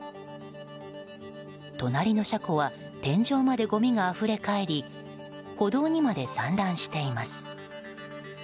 隣の車庫は天井までごみがあふれかえり歩道にまで散乱しています。